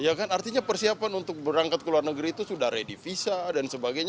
ya kan artinya persiapan untuk berangkat ke luar negeri itu sudah ready visa dan sebagainya